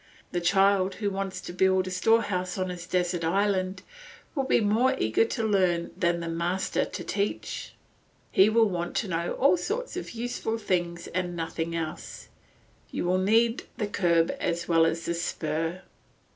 The child who wants to build a storehouse on his desert island will be more eager to learn than the master to teach. He will want to know all sorts of useful things and nothing else; you will need the curb as well as the spur.